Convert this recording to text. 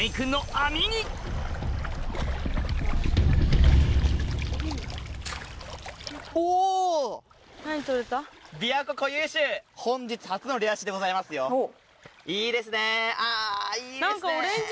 あいいですね。